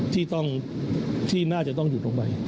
ที่ต้องที่น่าจะต้องหยุดลงไป